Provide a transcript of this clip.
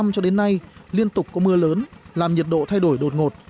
cho đến nay liên tục có mưa lớn làm nhiệt độ thay đổi đột ngột